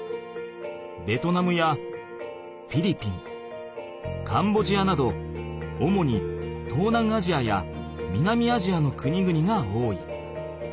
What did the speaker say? ベトナムやフィリピンカンボジアなど主に東南アジアや南アジアの国々が多い。